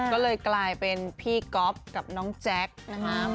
ก็เลยกลายเป็นพี่ก๊อฟกับน้องแจ๊คนะคะ